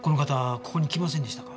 ここに来ませんでしたか？